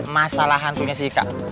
masalah hantunya si ika